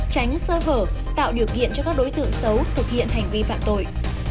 tránh sơ hở tạo điều kiện cho các đối tượng xấu thực hiện hành vi phạm tội